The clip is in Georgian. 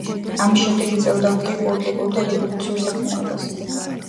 ამის შემდეგ ეწეოდა აქტიურ პოლიტიკურ და რევოლუციურ საქმიანობას.